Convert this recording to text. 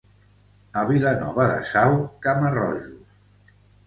A Vilanova de Sau, cama-rojos.